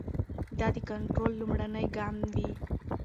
دا د کنټرول لومړنی ګام وي.